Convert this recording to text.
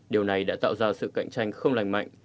điều này đã tạo ra sự cạnh tranh không lành mạnh